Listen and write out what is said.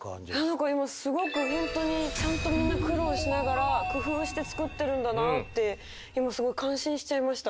何か今すごく本当にちゃんとみんな苦労しながら工夫して作ってるんだなって今すごい感心しちゃいました。